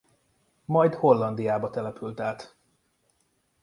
Majd Hollandiába települt át.